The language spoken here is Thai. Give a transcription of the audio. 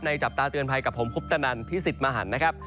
ในจับตาเตือนภัยกับผมบุ๊บตะดันพี่สิธร์มาหันนะครับ